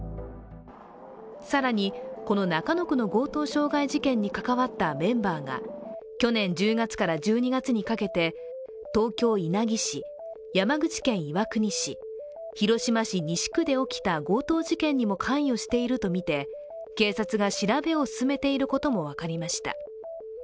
更に、この中野区の強盗傷害事件に関わったメンバーが去年１０月から１２月にかけて東京・稲城市、山口県岩国市、広島市西区で起きた強盗事件にも関与しているとみて警察が調べを進めていることも分かりました。